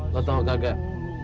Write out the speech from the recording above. lo tau kagak